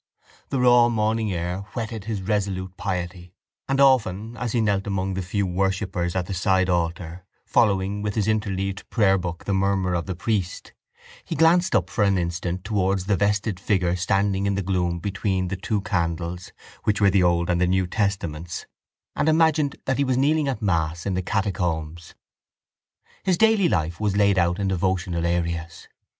The raw morning air whetted his resolute piety; and often as he knelt among the few worshippers at the sidealtar, following with his interleaved prayerbook the murmur of the priest, he glanced up for an instant towards the vested figure standing in the gloom between the two candles, which were the old and the new testaments, and imagined that he was kneeling at mass in the catacombs. His daily life was laid out in devotional areas.